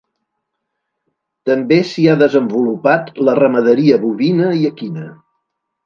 També s'hi ha desenvolupat la ramaderia bovina i equina.